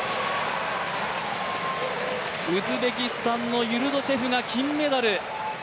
ウズベキスタンのユルドシェフが金メダル。